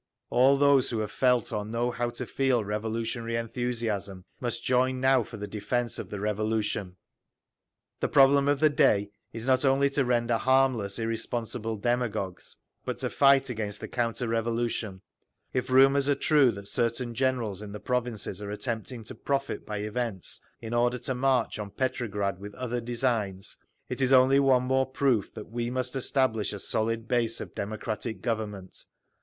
All those who have felt or know how to feel revolutionary enthusiasm must join now for the defence of the Revolution…. "The problem of the day is not only to render harmless irresponsible demagogues, but to fight against the counter revolution…. If rumours are true that certain generals in the provinces are attempting to profit by events in order to march on Petrograd with other designs, it is only one more proof that we must establish a solid base of democratic government.